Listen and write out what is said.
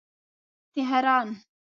تهران